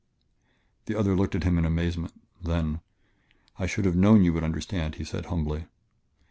The other looked at him in amazement. Then: "I should have known you would understand," he said humbly.